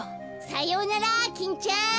さようならキンちゃん。